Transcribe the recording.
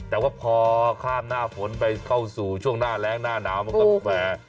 แต่ว่าพอข้ามหน้าฝนไปเข้าสู่ช่วงหน้าแรงหน้าหนาวมันก็แหม